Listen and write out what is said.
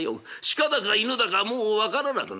鹿だか犬だかもう分からなくなってる。